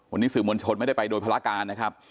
วันนี้สื่อมวลชนไม่ได้ไปโดยภารการนะครับ